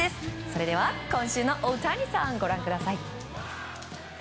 それでは今週のオオタニサンご覧ください。